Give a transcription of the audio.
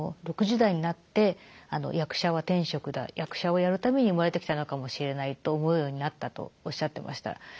６０代になって「役者は天職だ。役者をやるために生まれてきたのかもしれない」と思うようになったとおっしゃってました。